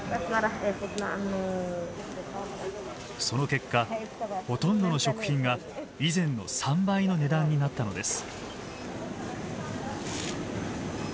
その結果ほとんどの食品が以前の３倍の値段になったのです。